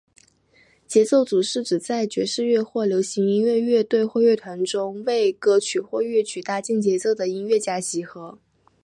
节奏组是指在爵士乐或者流行音乐乐队或乐团中为歌曲或乐曲搭建节奏的音乐家集合。